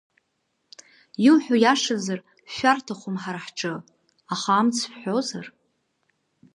Иуҳәо иашазар, шәшәарҭахом ҳара ҳҿы, аха амц шәҳәозар…